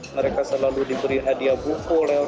mereka selalu diberi hadiah buku oleh orang tuanya